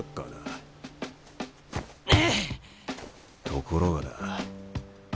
ところがだ